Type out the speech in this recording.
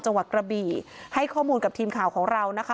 กระบี่ให้ข้อมูลกับทีมข่าวของเรานะคะ